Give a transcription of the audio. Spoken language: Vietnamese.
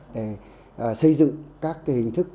để xây dựng các cái hình thức